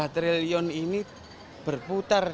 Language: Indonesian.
dua triliun ini berputar